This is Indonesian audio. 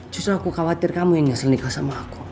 cus aku khawatir kamu yang nyesel nikah sama aku